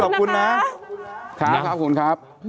ขอบคุณบิ๊อ๋ั๋อุ๋๋อุ๋๋ขอบคุณนะคะ